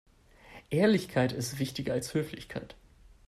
Ehrlichkeit ist wichtiger als Höflichkeit.